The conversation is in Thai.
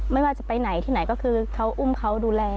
ไม่ว่าจะไปไหนที่ไหนก็คือเขาอุ้มเขาดูแล